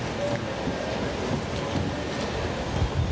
ถือว่าชีวิตที่ผ่านมายังมีความเสียหายแก่ตนและผู้อื่น